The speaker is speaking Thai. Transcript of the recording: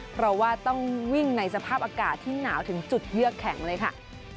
เพราะว่าต้องวิ่งในสภาพอากาศที่หนาวถึงจุดเยือกแข็งเลยค่ะ